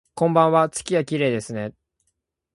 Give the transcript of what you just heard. こんばんわ、月がきれいですね